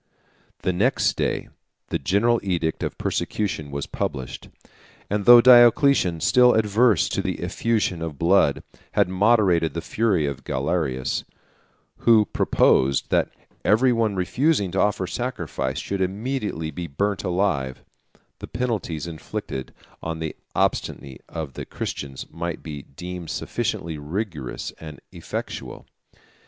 ] The next day the general edict of persecution was published; 152 and though Diocletian, still averse to the effusion of blood, had moderated the fury of Galerius, who proposed, that every one refusing to offer sacrifice should immediately be burnt alive, the penalties inflicted on the obstinacy of the Christians might be deemed sufficiently rigorous and effectual.